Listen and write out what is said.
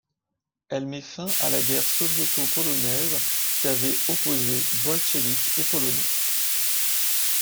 Elle met fin à la guerre soviéto-polonaise, qui avait opposé bolcheviks et Polonais.